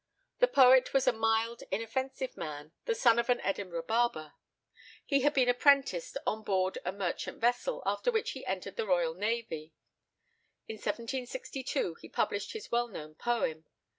The poet was a mild, inoffensive man, the son of an Edinburgh barber. He had been apprenticed on board a merchant vessel, after which he entered the royal navy. In 1762 he published his well known poem.